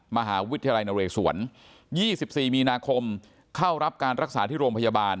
มหาวิทยาลัยนเรศวร๒๔มีนาคมเข้ารับการรักษาที่โรงพยาบาล